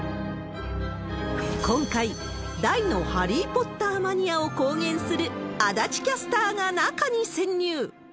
今回、大のハリー・ポッターマニアを公言する足立キャスターが中に潜入